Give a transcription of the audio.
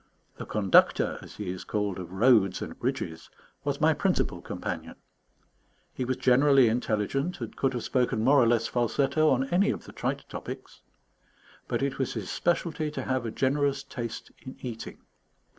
The Conductor, as he is called, of Roads and Bridges was my principal companion. He was generally intelligent, and could have spoken more or less falsetto on any of the trite topics; but it was his specialty to have a generous taste in eating.